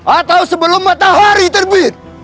atau sebelum matahari terbit